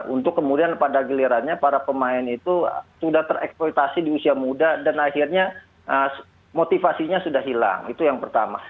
untuk kemudian pada gilirannya para pemain itu sudah tereksploitasi di usia muda dan akhirnya motivasinya sudah hilang itu yang pertama